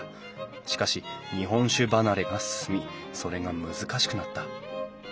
しかし日本酒離れが進みそれが難しくなった。